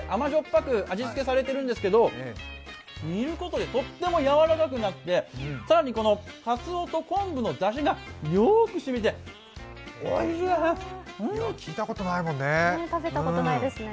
ぱく味付けされてるんですけど煮ることで、とってもやわらかくなって更にかつおと昆布のだしがよくしみて、おいしいですね。